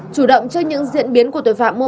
chủ động cho những diễn biến của tội phạm mua bán